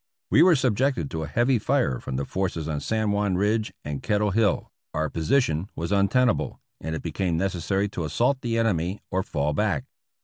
We were subjected to a heavy fire from the forces on San Juan Ridge and Kettle Hill ; our position was untenable, and it became necessary to assault the enemy or fall back.